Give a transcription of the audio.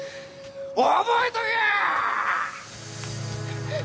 覚えとけよ！！